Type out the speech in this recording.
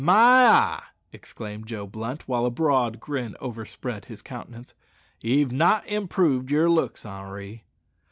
"My eye!" exclaimed Joe Blunt, while a broad grin overspread his countenance, "ye've not improved yer looks, Henri."